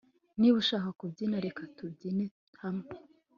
Niba ushaka kubyina reka tubyine hamwe